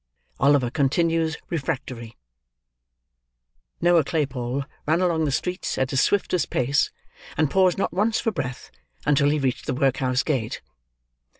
OLIVER CONTINUES REFRACTORY Noah Claypole ran along the streets at his swiftest pace, and paused not once for breath, until he reached the workhouse gate.